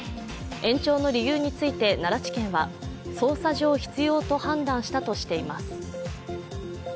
延長の理由について奈良地検は、捜査上必要と判断したとしています。